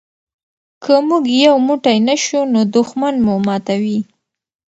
که موږ یو موټی نه شو نو دښمن مو ماتوي.